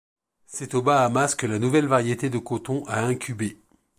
C'est aux Bahamas que la nouvelle variété de coton a incubé.